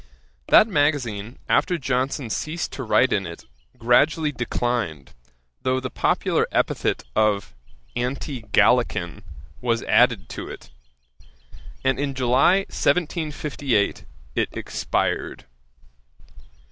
That magazine, after Johnson ceased to write in it, gradually declined, though the popular epithet of Antigallican was added to it; and in July 1758 it expired.